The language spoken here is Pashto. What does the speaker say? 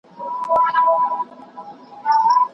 اقتصاد پوهان به د بازار قیمتونه څاري.